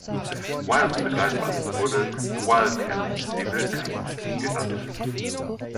Wildes Begleitband wurde „the Wildcats“ (die Wildkatzen) genannt.